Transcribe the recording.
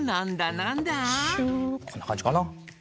こんなかんじかな。